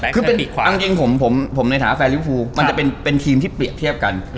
คือไอ้พี่มันเป็นทีมที่เปลี่ยนเทียบกัน